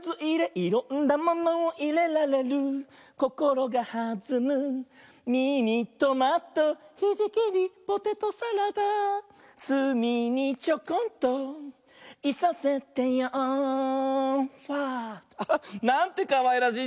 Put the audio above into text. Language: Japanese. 「いろんなものをいれられる」「こころがはずむミニトマト」「ひじきにポテトサラダ」「すみにちょこんといさせてよファー」なんてかわいらしいんだね。